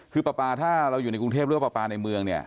คือปลาปลาถ้าเราอยู่ในกรุงเทพหรือว่าปลาปลาในเมืองเนี่ย